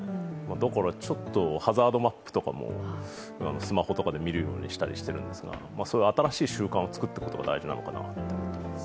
だから、ちょっとハザードマップとかもスマホとかで見るようにしているんですが、そういう新しい習慣を作っていくのが大事なのかな。